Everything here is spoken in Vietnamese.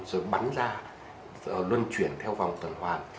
rồi bắn ra luân chuyển theo vòng tuần hoàn